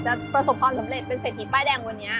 ประสบความสำเร็จเป็นเศรษฐีป้ายแดงวันนี้